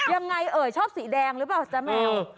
ยังไงเอ่ยชอบสีแดงหรือเปล่าจ้าแมว